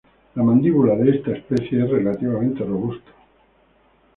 La mandíbula de esta especie era relativamente robusta.